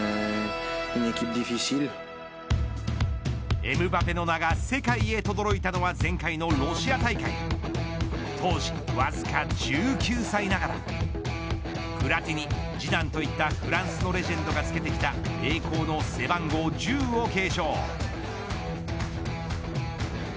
エムバペの名が世界へとどろいたのは前回のロシア大会を当時、わずか１９歳ながらプラティニ、ジダンといったフランスのレジェンドがつけてきた栄光の背番号１０を継承。